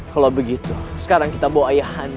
kalau begitu sekarang kita bawa ayah hantu